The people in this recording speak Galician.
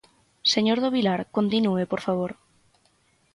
Señor do Vilar, continúe, por favor.